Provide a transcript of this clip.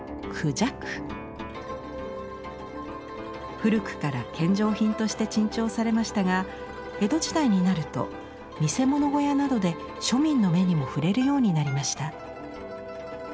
古くから献上品として珍重されましたが江戸時代になると見せ物小屋などで庶民の目にも触れるようになりました。